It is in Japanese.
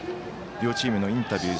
両チームのインタビュー